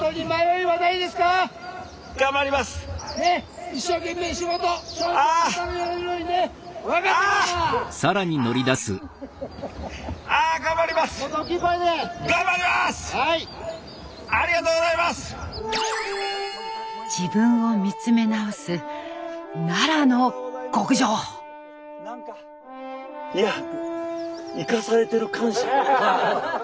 いや生かされてる感謝。